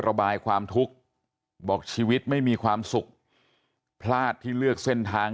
ระบายความทุกข์บอกชีวิตไม่มีความสุขพลาดที่เลือกเส้นทาง